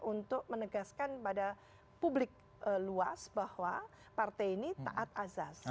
untuk menegaskan pada publik luas bahwa partai ini taat azas